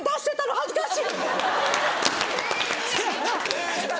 恥ずかしい。